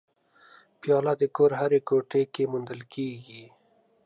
پیاله د کور هرې کوټې کې موندل کېږي.